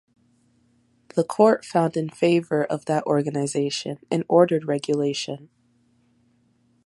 The court found in favor of that organization and ordered regulation.